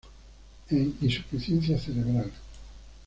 En insuficiencia cerebral.